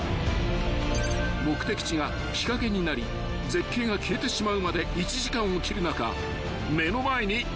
［目的地が日陰になり絶景が消えてしまうまで１時間を切る中目の前に現れたのは］